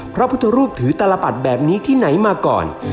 พระพุทธรูปถือตลปัดแบบนี้ที่ไหนมาก่อน